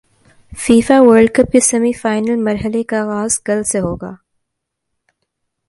FIFA world cup کے semi final مرحلے کا غاز کل سے ہو گا